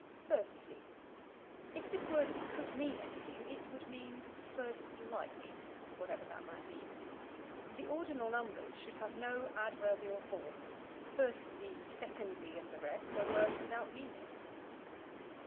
Firstly. If this word could mean anything it would mean firstlike, whatever that might mean. The ordinal numbers should have no adverbial form: "firstly," "secondly," and the rest are words without meaning.